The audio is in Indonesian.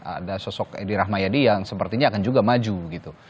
ada sosok edi rahmayadi yang sepertinya akan juga maju gitu